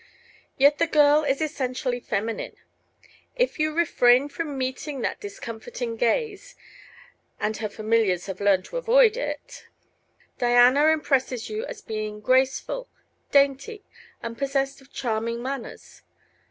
Yet the girl is essentially feminine. If you refrain from meeting that discomfiting gaze and her familiars have learned to avoid it Diana impresses you as being graceful, dainty and possessed of charming manners.